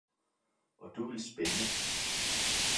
og du vil spænde!